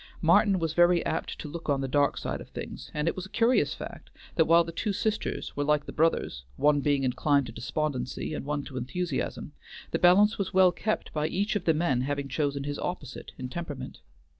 Martin was very apt to look on the dark side of things, and it was a curious fact that while the two sisters were like the brothers, one being inclined to despondency and one to enthusiasm, the balance was well kept by each of the men having chosen his opposite in temperament.